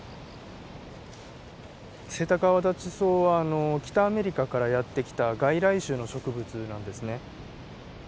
セイタカアワダチソウは北アメリカからやって来た外来種の植物なんですね。